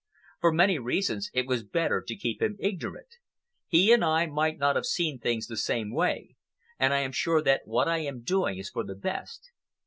For many reasons it was better to keep him ignorant. He and I might not have seen things the same way, and I am sure that what I am doing is for the best.